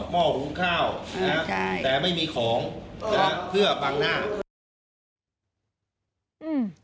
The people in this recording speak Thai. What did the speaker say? ม่อหูข้าวแต่ไม่มีของเพื่อบังหน้า